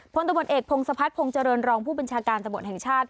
ผลตะบนเอกพงศพัฒน์พงศ์เจริญรองผู้บัญชาการตะบนแห่งชาติ